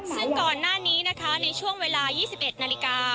ซึ่งก่อนหน้านี้นะคะในช่วงเวลา๒๑นาฬิกา